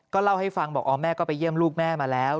เล่าให้ฟังบอกอ๋อแม่ก็ไปเยี่ยมลูกแม่มาแล้ว